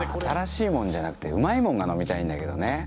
まあ新しいもんじゃなくてうまいもんが飲みたいんだけどね。